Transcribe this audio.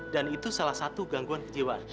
dan itu salah satu gangguan kejewaan